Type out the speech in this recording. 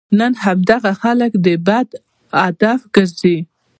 نن هماغه خلک د بدو هدف ګرځي.